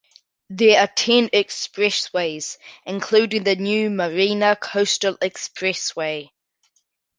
There are ten expressways, including the new Marina Coastal Expressway.